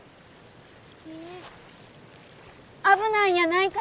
いえ危ないんやないかと。